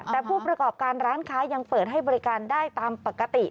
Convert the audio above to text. แต่ผู้ประกอบการร้านค้ายังเปิดให้บริการได้ตามปกติ